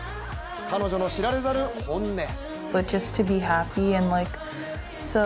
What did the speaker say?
彼女の知られざる本音。